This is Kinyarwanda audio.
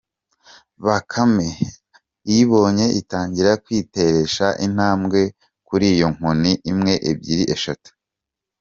Bakame iyibonye itangira kwiteresha intambwe kuri ya nkoni, imwe, ebyiri, eshatu.